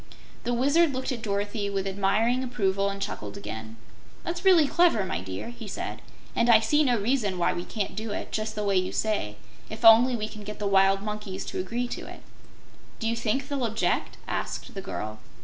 The Wizard looked at Dorothy with admiring approval, and chuckled again. "That's really clever, my dear," he said, "and I see no reason why we can't do it, just the way you say, if only we can get the wild monkeys to agree to it." "Do you think they'll object?" asked the girl.